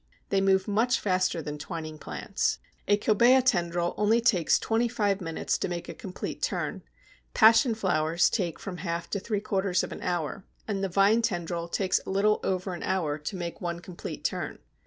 They move much faster than twining plants. A Cobæa tendril only takes twenty five minutes to make a complete turn, Passion flowers take from half to three quarters of an hour, and the Vine tendril takes a little over an hour to make one complete turn.